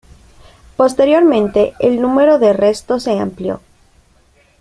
Posteriormente el número de restos se amplió.